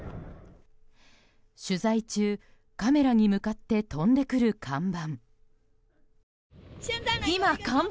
取材中、カメラに向かって飛んでくる看板。